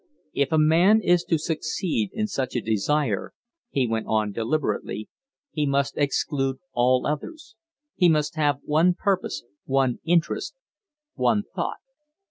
"If a man is to succeed in such a desire," he went on, deliberately, "he must exclude all others he must have one purpose, one interest, one thought.